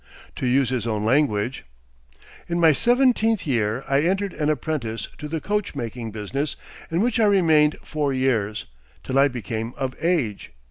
To use his own language: "In my seventeenth year I entered as apprentice to the coach making business, in which I remained four years, till I became 'of age.'